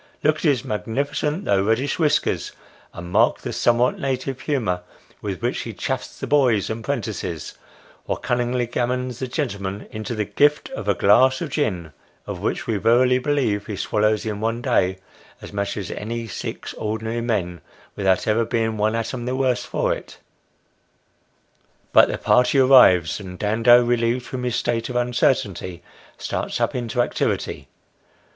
Look at his magnifi cent, though reddish whiskers, and mark the somewhat native humour with which he " chaffs " the boys and 'prentices, or cunningly gammons the gen'lm'n into the gift of a glass of gin, of which we verily believe he swallows in one day as much as any six ordinary men, without ever being one atom the worse for it. But the party arrives, and Dando, relieved from his state of uncer^ tainty, starts up into activity.